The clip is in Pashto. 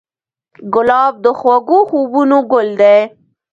ګلاب د خوږو خوبونو ګل دی.